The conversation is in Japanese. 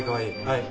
はい。